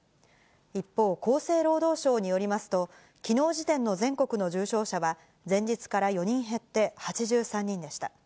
一方、厚生労働省によりますと、きのう時点の全国の重症者は、前日から４人減って８３人でした。